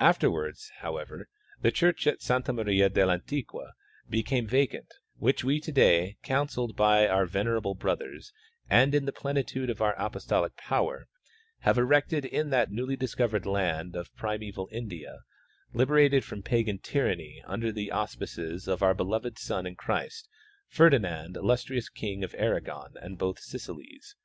Afterwards, however, the church of S.Maria del Antiqua became vacant, which we to day, counselled by our venerable brothers and in the plenitude of our apostolic power, have erected in that newd}^ discovered land of primeval India, liberated from pagan tyranny under the auspices of our beloved son in Christ, Ferdi nand, illustrious king of Aragon and both Sicilys.